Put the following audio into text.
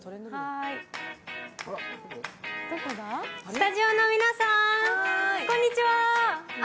スタジオの皆さん、こんにちは！